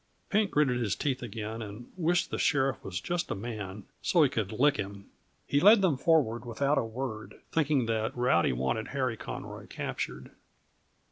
Pink gritted his teeth again, and wished the sheriff was just a man, so he could lick him. He led them forward without a word, thinking that Rowdy wanted Harry Conroy captured.